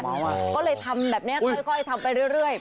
ก็เลยทำแบบนี้ค่อยทำไปเรื่อย